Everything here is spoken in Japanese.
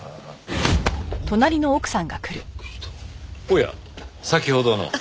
おや先ほどの。